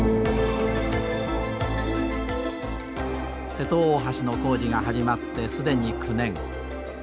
瀬戸大橋の工事が始まって既に９年。